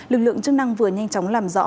lực lượng chức năng vừa nhanh chóng làm rõ